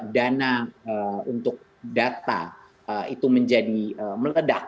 dana untuk data itu menjadi meledak